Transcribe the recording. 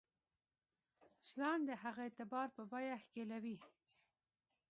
اسلام د هغه اعتبار په بیه ښکېلوي.